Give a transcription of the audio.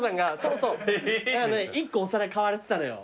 １個お皿買われてたのよ。